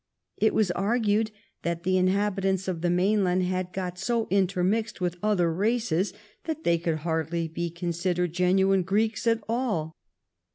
It was argued that the inhabitants of the mainland had got so intermixed with other races that they could hardly be considered genuine Greeks at all.